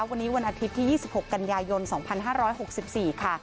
วันนี้วันอาทิตย์ที่๒๖กันยายน๒๕๖๔ค่ะ